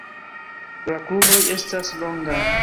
La kruroj estas longaj.